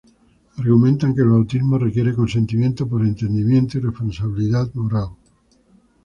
Argumentan que el bautismo requiere consentimiento por entendimiento, y responsabilidad moral.